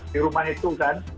di rumah itu kan